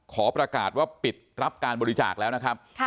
ขอประกาศว่าปิดรับการบริจาคแล้วนะครับ